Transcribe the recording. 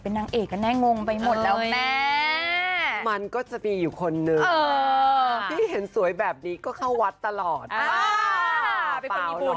เป็นงานเดียวกันใช่ค่ะใช่